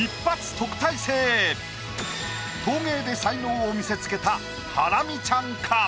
陶芸で才能を見せつけたハラミちゃんか？